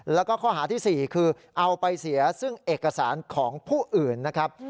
แล้วก็ข้อหาที่๔คือเอาไปเสียซึ่งเอกสารของผู้อื่นนะครับ